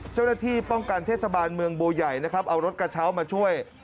เจ้าหน้าที่ป้องกันเทศบาลเมืองบัวใหญ่นะครับเอารถกระเช้ามาช่วย